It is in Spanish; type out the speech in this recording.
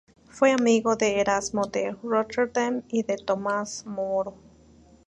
Fue amigo de Erasmo de Róterdam y de Tomás Moro.